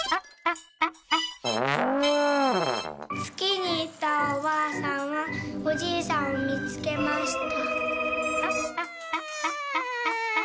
「つきにいったおばあさんはおじいさんをみつけました」。